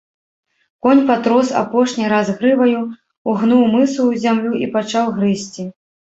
Конь патрос апошні раз грываю, угнуў мысу ў зямлю і пачаў грызці.